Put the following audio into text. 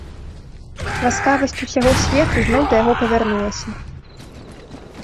Ласкавасць усяго свету зноў да яго павярнулася.